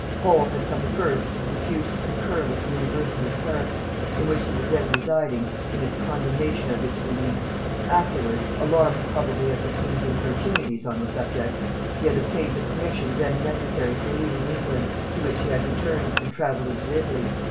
Pole had from the first refused to concur with the university of Paris, in which he was then residing, in its condemnation of this union: afterwards, alarmed probably at the king's importunities on the subject, he had obtained the permission then necessary for leaving England, to which he had returned, and travelled into Italy.